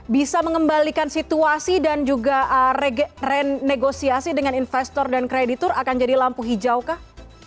bisa mengembalikan situasi dan juga renegosiasi dengan investor dan kreditur akan jadi lampu hijau kah